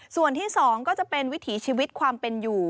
ส่วนที่๒ก็จะเป็นวิถีชีวิตความเป็นอยู่